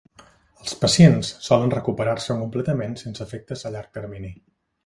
Els pacients solen recuperar-se completament sense efectes a llarg termini.